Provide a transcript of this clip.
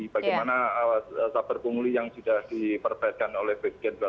bagaimana sabar pungguli yang sudah diperbaikan oleh presiden dua tahun lalu